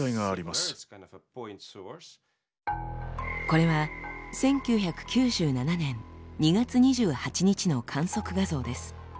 これは１９９７年２月２８日の観測画像です。